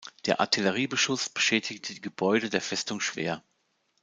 Der Artilleriebeschuss beschädigte die Gebäude der Festung schwer.